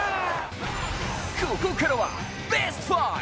ここからはベスト５！